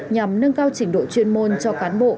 nhằm nâng cao trình độ chuyên môn cho cán bộ